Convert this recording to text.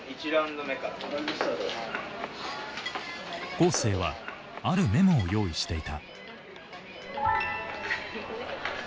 恒成はあるメモを用意していた。